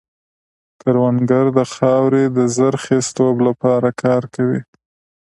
کروندګر د خاورې د زرخېزتوب لپاره کار کوي